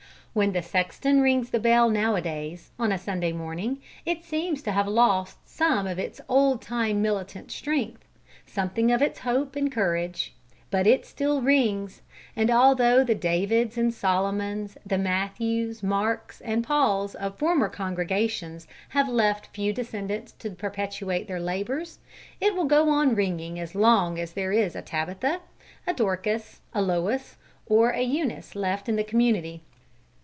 When the sexton rings the bell nowadays, on a Sunday morning, it seems to have lost some of its old time militant strength, something of its hope and courage; but it still rings, and although the Davids and Solomons, the Matthews, Marks, and Pauls of former congregations have left few descendants to perpetuate their labours, it will go on ringing as long as there is a Tabitha, a Dorcas, a Lois, or a Eunice left in the community.